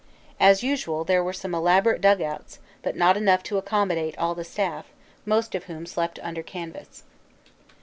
As usual there were some elaborate dug outs, but not enough to accommodate all the staff, most of whom slept under canvas.